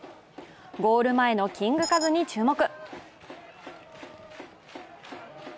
ゴール前のキングカズに注目。